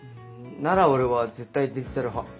なら俺は絶対デジタル派。